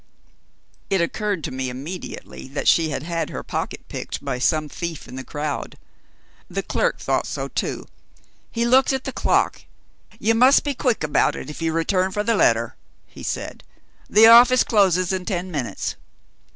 It occurred to me immediately that she had had her pocket picked by some thief in the crowd. The clerk thought so too. He looked at the clock. "You must be quick about it if you return for the letter," he said, "the office closes in ten minutes."